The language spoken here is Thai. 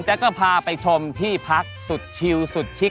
ก็พาไปชมที่พักสุดชิวสุดชิค